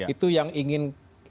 itu yang ingin